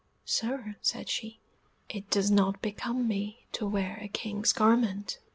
"Sir," said she, "it does not become me to wear a King's garment."